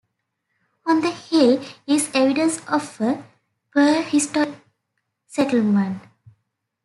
On the hill is evidence of a prehistoric settlement.